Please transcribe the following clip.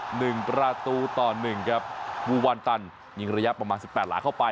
หนึ่งประตูต่อหนึ่งครับภูวันตันยิงระยะประมาณสิบแปดหลาเข้าไป